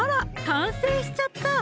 完成しちゃった！